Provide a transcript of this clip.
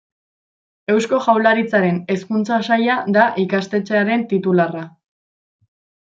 Eusko Jaurlaritzaren Hezkuntza Saila da ikastetxearen titularra.